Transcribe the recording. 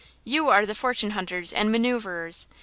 You are the fortune hunters and maneuverers!